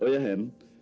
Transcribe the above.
oh ya hen